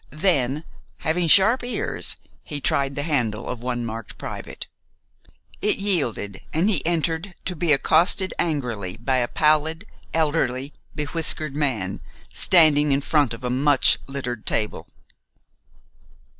Then, having sharp ears, he tried the handle of one marked "Private." It yielded, and he entered, to be accosted angrily by a pallid, elderly, bewhiskered man, standing in front of a much littered table.